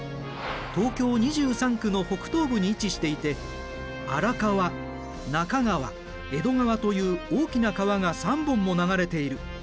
東京２３区の北東部に位置していて荒川中川江戸川という大きな川が３本も流れている。